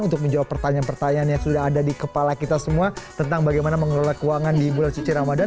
untuk menjawab pertanyaan pertanyaan yang sudah ada di kepala kita semua tentang bagaimana mengelola keuangan di bulan suci ramadan